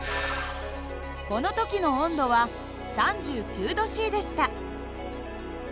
この時の温度は３９℃でした。